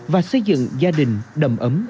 và xây dựng gia đình đầm ấm